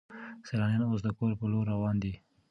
سیلانیان اوس د کور په لور روان دي.